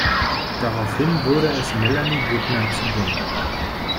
Daraufhin wurde es Melanie Büttner zu bunt.